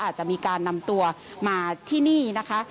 อาจจะมีการนำตัวมาที่นี่นะคะ